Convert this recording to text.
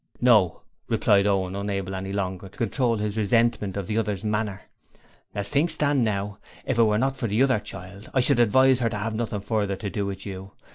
'No,' replied Owen, unable any longer to control his resentment of the other's manner, 'as things stand now, if it were not for the other child, I should advise her to have nothing further to do with you.